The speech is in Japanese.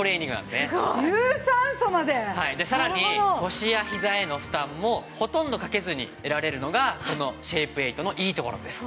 さらに腰やひざへの負担もほとんどかけずに得られるのがこのシェイプエイトのいいところなんです。